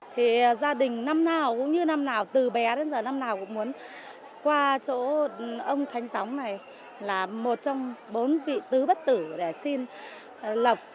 thì gia đình năm nào cũng như năm nào từ bé đến giờ năm nào cũng muốn qua chỗ ông thánh sóng này là một trong bốn vị tứ bất tử để xin lọc